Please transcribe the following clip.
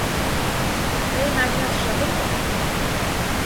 — Тыйын ачат шыде мо?